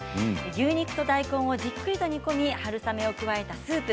牛肉と大根をじっくりと煮込み春雨を加えたスープ。